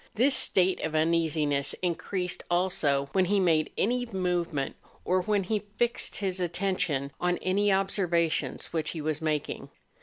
This state of uneasiness increased also .when he made any movement, or when he fixed his attention on any observations which he was making.